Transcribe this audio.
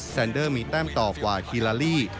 แซนเดอร์มีแต้มต่อกว่าคีลาลี